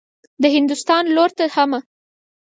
د هندوستان لور ته حمه.